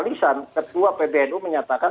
kisah ketua pbnu menyatakan